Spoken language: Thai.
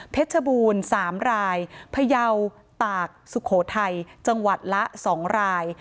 บูรณ์๓รายพยาวตากสุโขทัยจังหวัดละ๒ราย